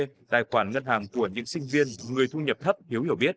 hai mua chủ tịch mua tài khoản ngân hàng của những sinh viên người thu nhập thấp hiếu hiểu biết